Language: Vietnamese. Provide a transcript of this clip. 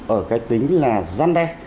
ở cái tính là gian đe